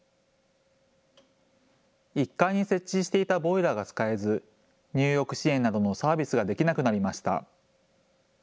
１階に設置していたボイラーが使えず入浴支援などのサービスができなくなりました。